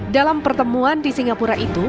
dalam pertemuan di singapura itu